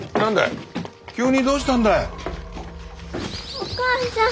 お母ちゃん！